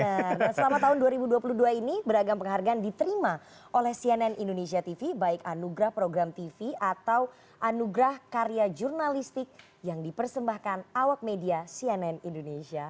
nah selama tahun dua ribu dua puluh dua ini beragam penghargaan diterima oleh cnn indonesia tv baik anugerah program tv atau anugerah karya jurnalistik yang dipersembahkan awak media cnn indonesia